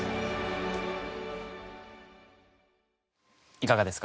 いかがですか？